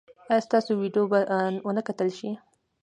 ایا ستاسو ویډیو به و نه کتل شي؟